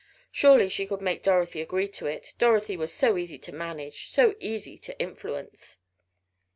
Surely she could make Dorothy agree to it, Dorothy was so easy to manage, so easy to influence.